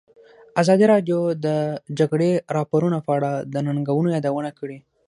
ازادي راډیو د د جګړې راپورونه په اړه د ننګونو یادونه کړې.